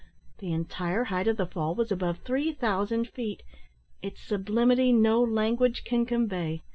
The entire height of the fall was above three thousand feet. Its sublimity no language can convey.